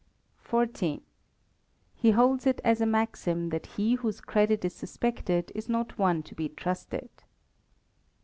xiv. He holds it as a maxim that he whose credit is suspected is not one to be trusted.